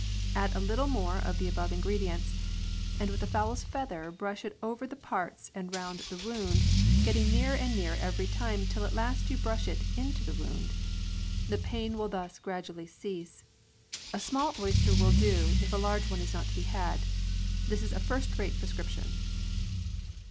Add a little more of the above ingredients, and with a fowl's feather brush it over the parts and round the wound, getting nearer and nearer every time till at last you brush it into the wound ; the pain will thus gradually cease. A small oyster will do if a large one is not to be had. This is a first rate prescription.